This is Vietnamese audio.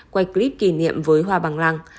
quay clip kỷ niệm với hoa bằng lăng